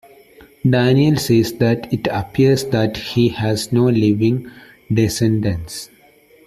Daniell says that it appears that he has no living descendants.